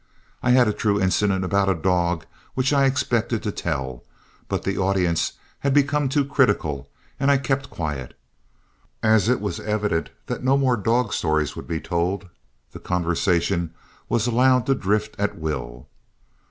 I had a true incident about a dog which I expected to tell, but the audience had become too critical, and I kept quiet. As it was evident that no more dog stories would be told, the conversation was allowed to drift at will.